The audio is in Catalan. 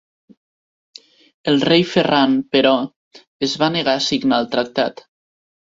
El rei Ferran, però, es va negar a signar el tractat.